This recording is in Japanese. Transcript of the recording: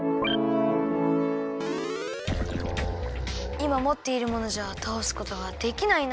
いまもっているものじゃたおすことはできないな。